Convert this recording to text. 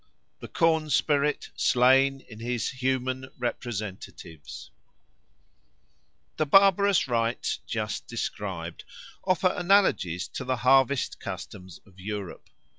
4. The Corn spirit slain in his Human Representatives THE BARBAROUS rites just described offer analogies to the harvest customs of Europe.